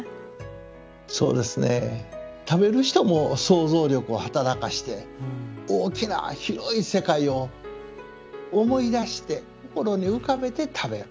食べる人も想像力を働かせて大きな広い世界を思い出して心に浮かべて食べる。